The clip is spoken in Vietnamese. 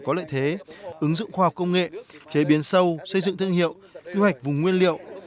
có lợi thế ứng dụng khoa học công nghệ chế biến sâu xây dựng thương hiệu quy hoạch vùng nguyên liệu